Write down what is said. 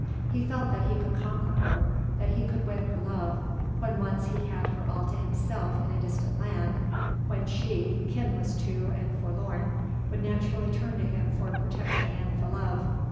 He felt that he could conquer her, that he could win her love, when once he had her all to himself in a distant land, when she kinless too and forlorn would naturally turn to him for protection and for love.